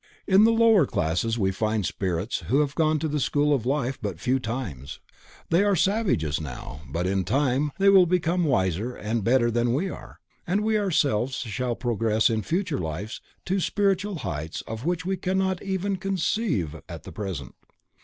In the lower classes we find spirits who have gone to the school of life but a few times, they are savages now, but in time they will become wiser and better than we are, and we ourselves shall progress in future lives to spiritual heights of which we cannot even conceive at the present.